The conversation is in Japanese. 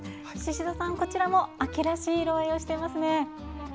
宍戸さん、こちらも秋らしい色合いをしていますね。